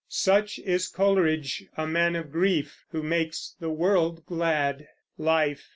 Such is Coleridge, a man of grief who makes the world glad. LIFE.